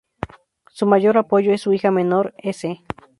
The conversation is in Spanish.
Su mayor apoyo es su hija menor, Ece.